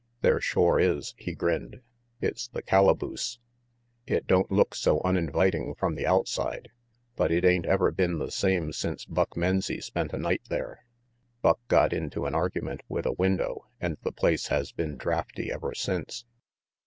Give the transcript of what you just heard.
"There shore is," he grinned; "it's the calaboose. It don't, look so uninviting from the outside, but it ain't ever been the same since Buck Menzie spent a night there. Buck got into an argument with a window and the place has been draughty ever since.